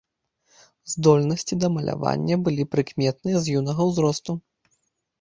Здольнасці да малявання былі прыкметныя з юнага ўзросту.